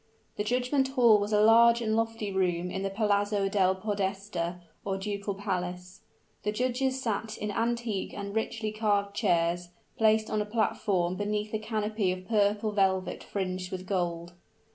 The judgment hall was a large and lofty room in the Palazzo del Podesta, or ducal palace. The judges sat in antique and richly carved chairs, placed on a platform, beneath a canopy of purple velvet fringed with gold.